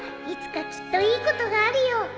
いつかきっといいことがあるよ